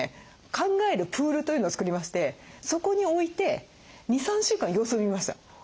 考えるプールというのを作りましてそこに置いて２３週間様子を見ました。